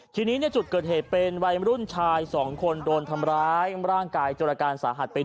ทีนี้ในจุดเกิดเหตุเป็นวัยรุ่นชายสองคนโดนทำร้ายร่างกายจนอาการสาหัสเป็น